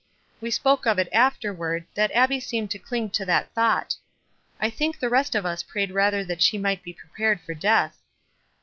We spoke of it afterward, that Abbie seemed to cling to that thought. 1 think the rest of us prayed rather that she might be prepared for death."